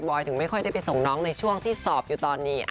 ถึงไม่ค่อยได้ไปส่งน้องในช่วงที่สอบอยู่ตอนนี้